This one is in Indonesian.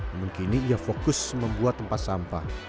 namun kini ia fokus membuat tempat sampah